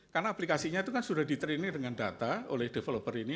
karena aplikasinya itu kan sudah di training dengan data oleh developer ini